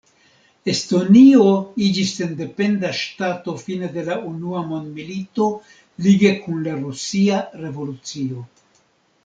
Estonio iĝis sendependa ŝtato fine de la unua mondmilito, lige kun la Rusia revolucio.